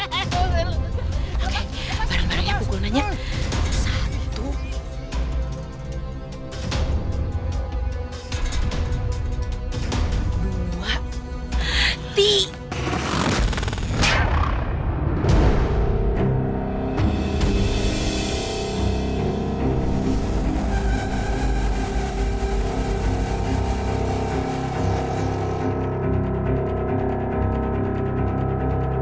jangan naik jangan mau mati naik